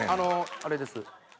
あれです